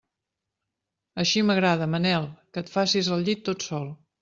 Així m'agrada, Manel, que et facis el llit tot sol.